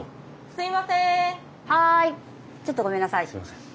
すいません。